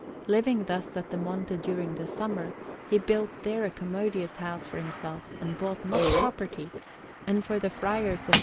Living thus at the Monte during the summer, he built there a commodious house for himself and bought much property; and for the Friars of S.